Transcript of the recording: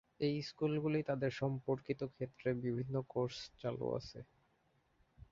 এই স্কুলগুলি তাদের সম্পর্কিত ক্ষেত্রে বিভিন্ন কোর্স চালু আছে।